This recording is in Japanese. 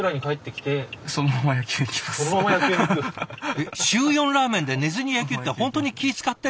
えっ週４ラーメンで寝ずに野球って本当に気遣ってる？